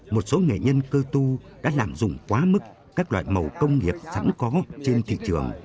một số nghệ nhân cơ tu đã làm dùng quá mức các loại màu công nghiệp sẵn có trên thị trường